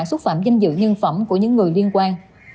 xúc phạm danh dự nhân phẩm của những người liên quan